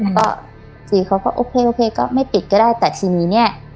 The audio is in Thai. ก็จีเขาก็โอเคโอเคก็ไม่ปิดก็ได้แต่ทีนี้เนี่ย